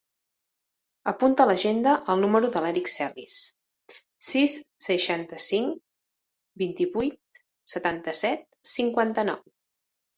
Apunta a l'agenda el número de l'Erik Celis: sis, seixanta-cinc, vint-i-vuit, setanta-set, cinquanta-nou.